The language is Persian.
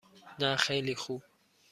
نه خیلی خوب.